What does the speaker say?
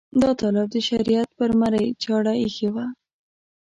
دا طالب د شریعت پر مرۍ چاړه ایښې وه.